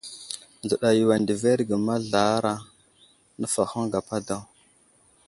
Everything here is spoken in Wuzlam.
Nzəɗa yo andəverge mazlaraŋa, nəslahoŋ gapa daw.